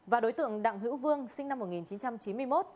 và đối tượng đặng hữu vương sinh năm một nghìn chín trăm chín mươi một